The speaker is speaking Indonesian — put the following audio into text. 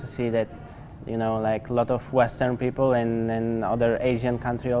anda tahu banyak orang asing dan negara asia juga